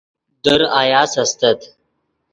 در آیاس استت